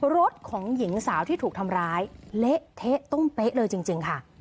รถของหญิงสาวที่ถูกทำร้ายเละเทะต้องเป๊ะเลยจริงค่ะ